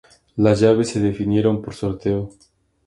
Las llaves se definieron por sorteo.